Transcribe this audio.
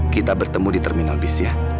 kita bertemu di terminal bis ya